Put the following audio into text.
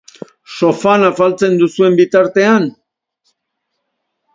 Sofan afaltzen duzuen bitartean?